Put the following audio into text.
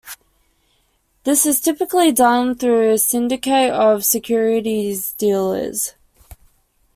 This is typically done through a syndicate of securities dealers.